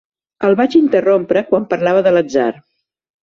El vaig interrompre quan parlava de l'atzar.